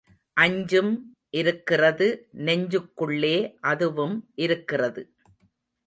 அஞ்சும் இருக்கிறது நெஞ்சுக்குள்ளே அதுவும் இருக்கிறது.